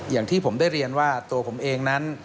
อย่างที่ผมได้เรียนว่าตัวผมเองนั้น